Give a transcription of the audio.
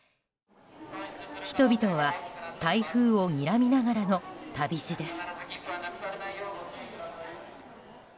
人々は台風をにらみながらの旅路です。